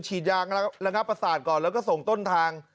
ฉีดยางระงับประสาทก่อนแล้วก็ส่งต้นทาง